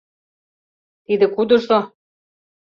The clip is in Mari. Тиде кудыжо?